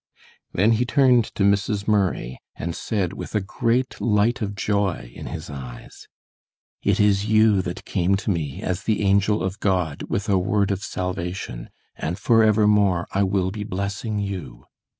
Then he turned to Mrs. Murray, and said, with a great light of joy in his eyes: "It is you that came to me as the angel of God with a word of salvation, and forever more I will be blessing you."